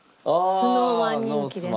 ＳｎｏｗＭａｎ人気でね。